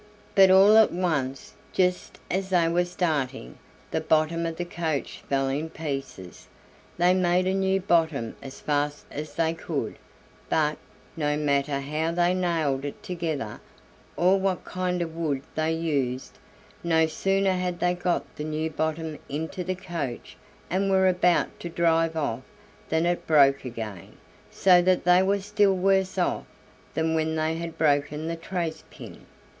But all at once, just as they were starting, the bottom of the coach fell in pieces. They made a new bottom as fast as they could, but, no matter how they nailed it together, or what kind of wood they used, no sooner had they got the new bottom into the coach and were about to drive off than it broke again, so that they were still worse off than when they had broken the trace pin.